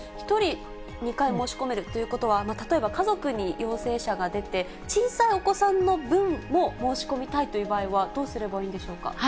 １人２回申し込めるということは、例えば家族に陽性者が出て、小さいお子さんの分も申し込みたいという場合は、どうすればいいんでしょうか。